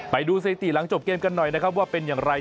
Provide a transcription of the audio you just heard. ไปดูสถิติหลังจบเกมกันหน่อยนะครับว่าเป็นอย่างไร